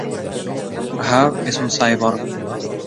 Ahab es un cyborg.